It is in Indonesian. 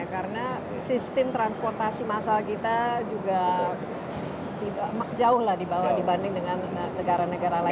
karena sistem transportasi massal kita juga jauh dibawah dibanding dengan negara negara lain